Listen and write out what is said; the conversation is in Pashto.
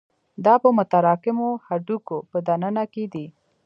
دا په متراکمو هډوکو په دننه کې دي.